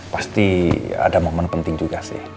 pasti ada momen penting juga sih